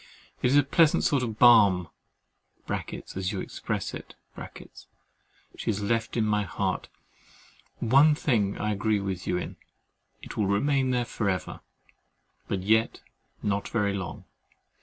It is a pleasant sort of balm (as you express it) she has left in my heart! One thing I agree with you in, it will remain there for ever; but yet not very long.